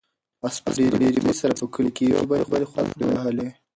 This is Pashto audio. آس په ډېرې مستۍ سره په کلي کې یوې او بلې خواته منډې وهلې.